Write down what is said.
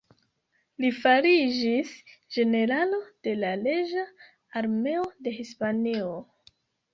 Li fariĝis generalo de la reĝa armeo de Hispanio.